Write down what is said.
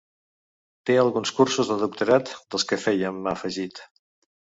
Té alguns cursos de doctorat dels que fèiem, ha afegit.